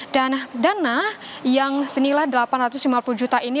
dan dana yang senilai delapan ratus lima puluh juta ini